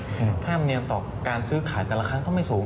ค่าธรรมเนียมต่อการซื้อขายแต่ละครั้งก็ไม่สูง